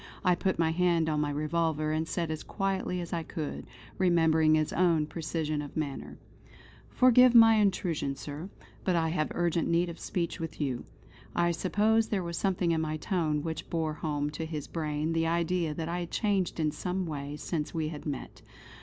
I put my hand on my revolver, and said as quietly as I could, remembering his own precision of manner: "Forgive my intrusion, Sir; but I have urgent need of speech with you." I suppose there was something in my tone which bore home to his brain the idea that I had changed in some way since we had met.